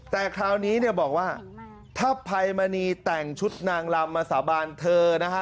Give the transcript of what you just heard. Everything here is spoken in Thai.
แต่คราวนี้เนี่ยบอกว่าถ้าภัยมณีแต่งชุดนางลำมาสาบานเธอนะฮะ